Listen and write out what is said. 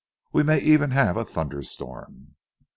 We may even have a thunderstorm."